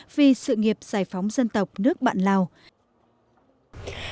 vì sự nghiệp giải phóng dân tộc nước bạn lào